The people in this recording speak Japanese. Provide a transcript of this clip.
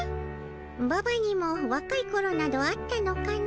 ババにもわかいころなどあったのかの。